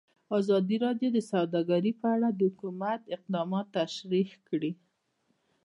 ازادي راډیو د سوداګري په اړه د حکومت اقدامات تشریح کړي.